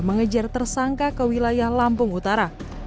mengejar tersangka ke wilayah lampung utara